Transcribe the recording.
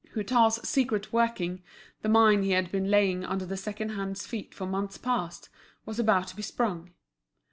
Hutin's secret working, the mine he had been laying under the second hand's feet for months past, was about to be sprung.